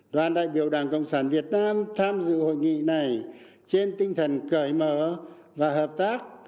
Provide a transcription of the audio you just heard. đoàn đại biểu đảng cộng sản việt nam tham dự hội nghị này trên tinh thần cởi mở và hợp tác